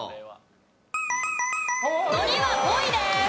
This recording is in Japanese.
海苔は５位です。